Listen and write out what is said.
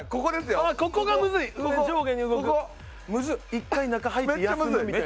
１回中入って休むみたいな。